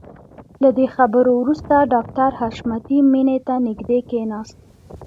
له دې خبرو وروسته ډاکټر حشمتي مينې ته نږدې کښېناست.